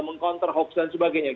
meng counter hoax dan sebagainya